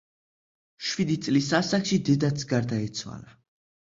შვიდი წლის ასაკში დედაც გარდაეცვალა.